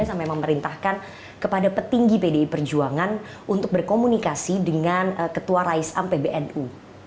saya sampai memerintahkan kepada petinggi pdi perjuangan untuk berkomunikasi dengan ketua raisam pbnu